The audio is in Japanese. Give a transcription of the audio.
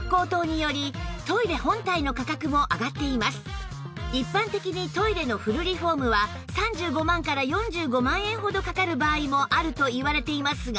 現在一般的にトイレのフルリフォームは３５万から４５万円ほどかかる場合もあるといわれていますが